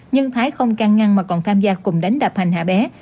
nhưng thái không căng ngăn mà còn tham gia cùng đánh đập hành hạ bé